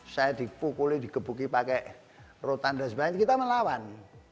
saya dipukul digebuki pakai rotanda sebagainya kita melawan